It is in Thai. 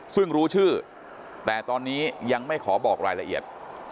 ซึ่งรู้ชื่อแต่ตอนนี้ยังไม่ขอบอกรายละเอียด